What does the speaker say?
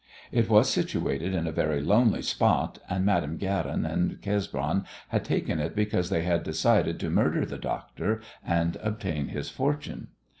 It was situated in a very lonely spot, and Madame Guerin and Cesbron had taken it because they had decided to murder the doctor and obtain his fortune.